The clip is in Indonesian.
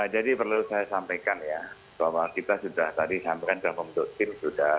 jadi perlu saya sampaikan ya bahwa kita sudah tadi sampai dalam kompetitif sudah